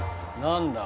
何だ？